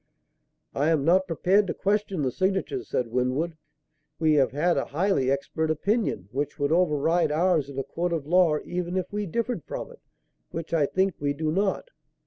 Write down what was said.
"I am not prepared to question the signatures." said Winwood. "We have had a highly expert opinion, which would override ours in a court of law even if we differed from it; which I think we do not."